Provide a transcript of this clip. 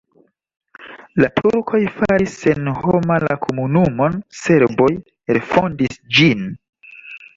La turkoj faris senhoma la komunumon, serboj refondis ĝin.